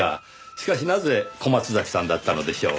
しかしなぜ小松崎さんだったのでしょう？